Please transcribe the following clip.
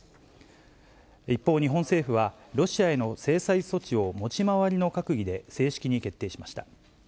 一方、日本政府は、ロシアへの制裁措置を持ち回りの閣議で正式に決定しました。